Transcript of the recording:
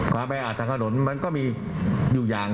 ความเป็นอาจทางถนนมันก็มีอยู่อย่าง